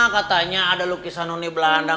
katanya ada lukisan uni belanda